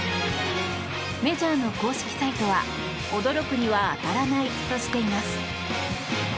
メジャーの公式サイトは驚くには当たらないとしています。